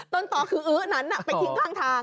ตอนต่อคืออื้อนั้นไปทิ้งข้างทาง